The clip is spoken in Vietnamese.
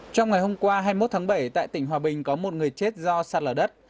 trong ngày hôm qua hai mươi một tháng bảy tại tỉnh hòa bình có một người chết do sạt lở đất